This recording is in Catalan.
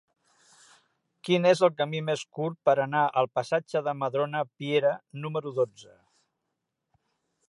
Quin és el camí més curt per anar al passatge de Madrona Piera número dotze?